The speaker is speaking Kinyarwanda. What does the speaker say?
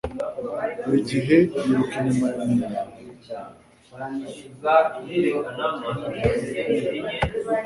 Buri gihe yiruka inyuma ya nyina.